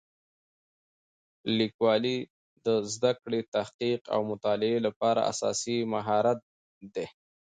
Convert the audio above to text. لیکوالی د زده کړې، تحقیق او مطالعې لپاره اساسي مهارت دی.